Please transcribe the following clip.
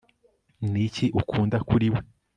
niki ukunda kuri we